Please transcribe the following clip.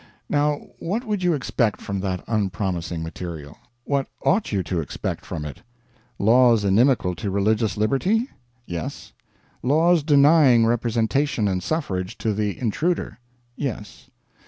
Now what would you expect from that unpromising material? What ought you to expect from it? Laws inimical to religious liberty? Yes. Laws denying, representation and suffrage to the intruder? Yes.